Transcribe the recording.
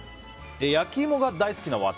焼き芋が大好きな私。